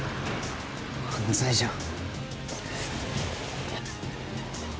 犯罪じゃん」